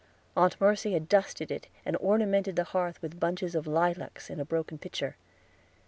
Aunt Mercy had dusted it and ornamented the hearth with bunches of lilacs in a broken pitcher.